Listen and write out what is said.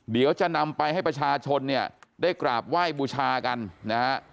เดี๋ยวจะนำไปให้ประชาชนได้กราบไหว้บุชากัน